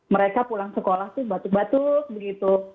mereka pulang sekolah tuh batuk batuk begitu